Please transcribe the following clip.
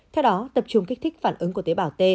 theo đó tập trung kích thích phản ứng của tế bào t